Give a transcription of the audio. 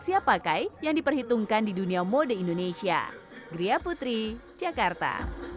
siap pakai yang diperhitungkan di dunia mode indonesia gria putri jakarta